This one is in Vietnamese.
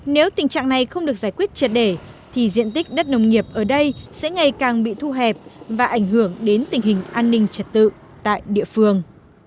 nếu tình trạng này không được giải quyết triệt để thì diện tích đất nông nghiệp ở đây sẽ ngày càng bị thu hẹp và ảnh hưởng đến tình hình an ninh trật tự tại địa phương